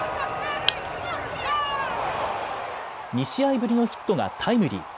２試合ぶりのヒットがタイムリー。